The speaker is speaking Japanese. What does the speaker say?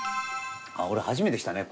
俺初めて来たね